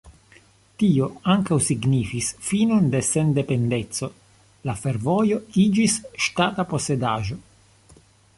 Tio ankaŭ signifis finon de sendependeco, la fervojo iĝis ŝtata posedaĵo.